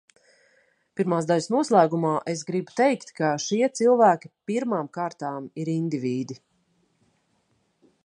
Pirmās daļas noslēgumā es gribu teikt, ka šie cilvēki pirmām kārtām ir indivīdi.